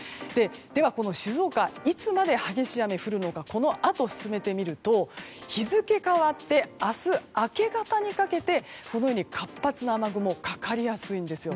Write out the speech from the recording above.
では、静岡いつまで激しい雨が降るのかこのあと進めてみると日付が変わって明日明け方にかけて活発な雨雲がかかりやすいんですよ。